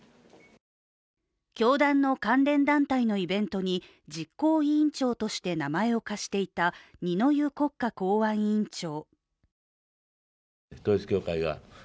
教団の関連団体のイベントに実行委員長として名前を貸していた二之湯国家公安委員長。